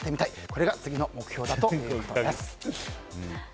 これが次の目標だということです。